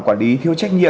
chưa đầy một giờ đồng hồ